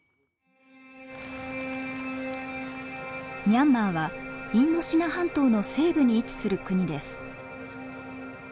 ミャンマーはインドシナ半島の西部に位置する国です。